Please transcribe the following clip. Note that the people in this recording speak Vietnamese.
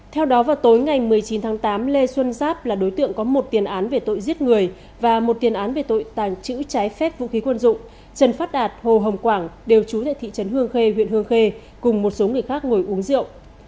theo đó vào tối ngày một mươi chín tháng tám lê xuân giáp là đối tượng có một tiền án về tội giết người và một tiền án về tội tàng trữ trái phép vũ khí quân dụng trần phát đạt hồ hồng quảng đều trú tại thị trấn hương khê huyện hương khê cùng một số người khác ngồi uống rượu